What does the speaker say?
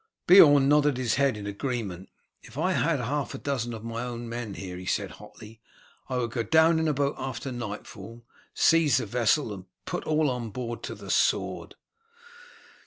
Beorn nodded his head in agreement. "If I had half a dozen of my own men here," he said hotly, "I would go down in a boat after nightfall, seize the vessel, and put all on board to the sword."